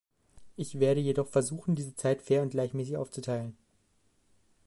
Ich werde jedoch versuchen, diese Zeit fair und gleichmäßig aufzuteilen.